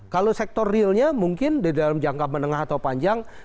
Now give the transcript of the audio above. kalau sektor realnya mungkin di dalam jangka menengah atau panjang